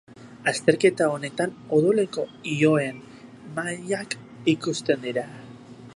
Azterketa honetan odoleko ioien mailak ikusten dira.